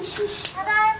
・ただいま。